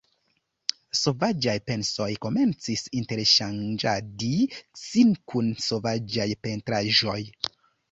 Sovaĝaj pensoj komencis interŝanĝadi sin kun sovaĝaj pentraĵoj.